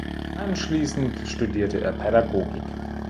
Anschließend studierte er Pädagogik.